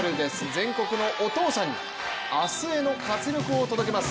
全国のお父さんに、明日への活力を届けます！